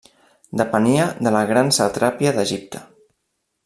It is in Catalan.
Depenia de la gran satrapia d'Egipte.